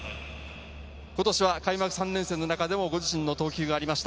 今年は開幕３連戦の中でも、ご自身の投球がありました。